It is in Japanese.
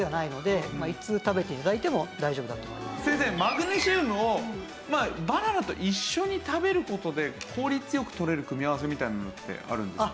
先生マグネシウムをバナナと一緒に食べる事で効率良くとれる組み合わせみたいなのってあるんですか？